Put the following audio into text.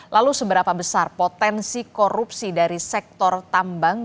lalu seberapa besar potensi korupsi dari sektor tambang